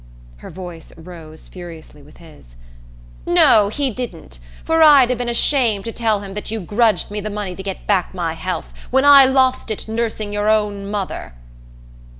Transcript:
Her voice rose furiously with his. "No, he didn't. For I'd 'a' been ashamed to tell him that you grudged me the money to get back my health, when I lost it nursing your own mother!"